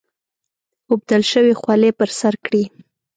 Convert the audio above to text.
اوبدل شوې خولۍ پر سر کړي.